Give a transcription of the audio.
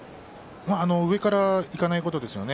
上からいかないことですね。